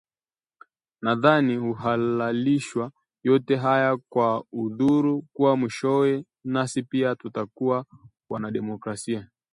Nadhani huhalalishwa yote haya kwa udhuru kuwa mwishowe, nasi pia tutakuwa wanademokrasia